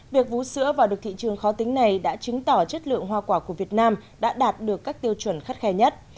việc vú sữa vào được thị trường khó tính này đã chứng tỏ chất lượng hoa quả của việt nam đã đạt được các tiêu chuẩn khắt khe nhất